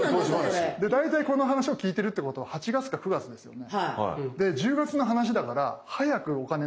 大体この話を聞いてるってことは８月か９月ですよね。